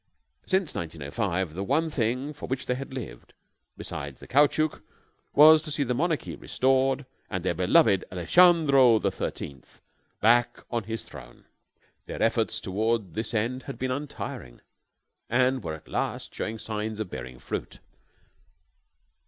Since 1905 the one thing for which they had lived, besides the caoutchouc, was to see the monarchy restored and their beloved Alejandro the Thirteenth back on his throne. Their efforts toward this end had been untiring, and were at last showing signs of bearing fruit.